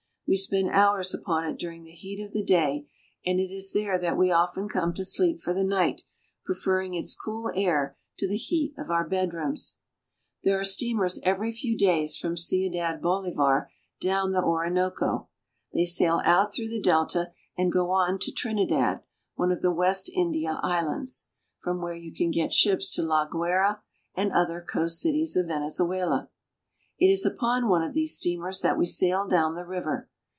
We spend hours upon it during the heat of the day, and it is there that we often come to sleep for the night, prefer ring its cool air to the heat of our bedrooms. There are steamers every few days from Ciudad Boli var down the Orinoco. They sail out through the delta, and go on to Trinidad, one of the West India Islands, from where you can get ships for La Guaira and other coast cities of Venezuela. It is upon one of these steamers that we sail down the river.